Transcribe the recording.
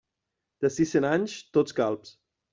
D'ací a cent anys, tots calbs.